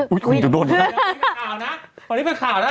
เป็นการกระตุ้นการไหลเวียนของเลือด